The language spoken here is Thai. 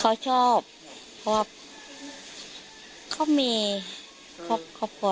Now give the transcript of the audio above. เขาชอบเพราะว่าเขามีครอบครัว